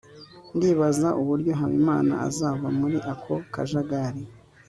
ndibaza uburyo habimana azava muri ako kajagari